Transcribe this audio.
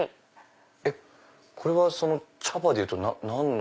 これは茶葉でいうと何の？